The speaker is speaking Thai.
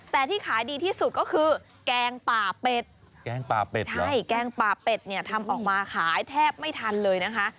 แต่ที่ขายดีที่สุดก็คือแกงป่าเป็ดแกงป่าเป็ดใช่แกงป่าเป็ดเนี่ยทำออกมาขายแทบไม่ทันเลยนะคะ